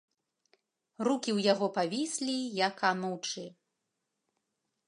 Рукі ў яго павіслі, як анучы.